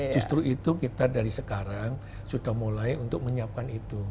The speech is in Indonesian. justru itu kita dari sekarang sudah mulai untuk menyiapkan itu